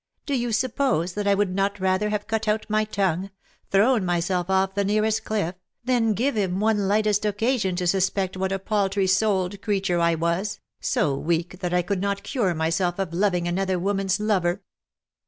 ^' Do you suppose that I would not rather have cut out my tongue — thrown myself off the nearest cliff — than give him one lightest occasion to suspect what a paltry souled creature I was — so weak that I could not cure myself of loving another woman's lover.